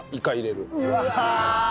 うわ！